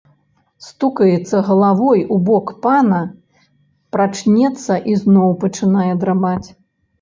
Стукаецца галавой у бок пана, прачнецца і зноў пачынае драмаць.